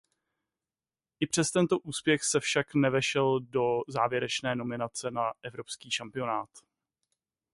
I přes tento úspěch se však nevešel do závěrečné nominace na evropský šampionát.